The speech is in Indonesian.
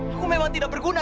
aku memang tidak berguna